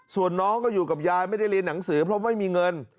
ส่วนน้องก็อยู่กับยายไม่ได้เรียนหนังสือเพราะไม่มีเงิน